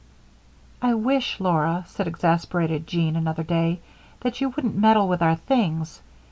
"I wish, Laura," said exasperated Jean, another day, "that you wouldn't meddle with our things.